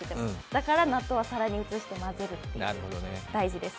だから、納豆は皿に移して混ぜる、大事です。